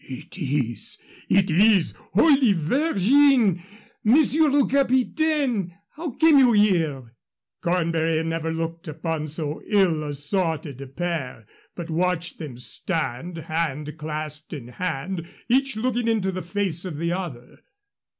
"It is! It is! Holy Virgin, Monsieur le Capitaine, how came you here?" Cornbury had never looked upon so ill assorted a pair, but watched them stand, hand clasped in hand, each looking into the face of the other.